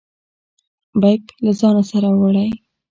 بیګ له ځانه سره وړئ؟